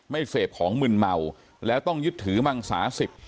เสพของมึนเมาแล้วต้องยึดถือมังสาสิบ